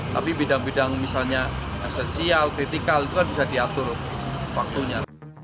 tapi bidang bidang misalnya esensial kritikal itu kan bisa diatur waktunya